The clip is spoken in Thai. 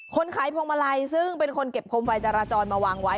ขายพวงมาลัยซึ่งเป็นคนเก็บโคมไฟจราจรมาวางไว้